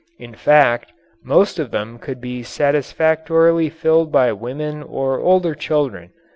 In fact, most of them could be satisfactorily filled by women or older children.